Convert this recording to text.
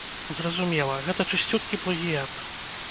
Зразумела, гэта чысцюткі плагіят.